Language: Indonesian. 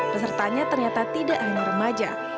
pesertanya ternyata tidak hanya remaja